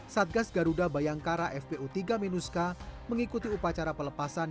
satgas garuda bayangkara fpu tiga minuska mengikuti upacara pelepasan